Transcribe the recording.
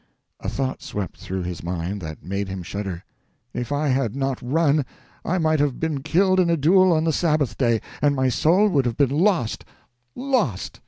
A thought swept through his mind that made him shudder. "If I had not run, I might have been killed in a duel on the Sabbath day, and my soul would have been lost lost."